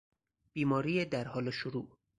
بیماری در حال شروع